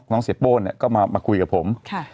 น้องเสียโป้ก็มาคุยกับผม